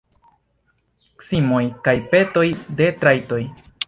Cimoj kaj petoj de trajtoj.